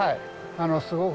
はい。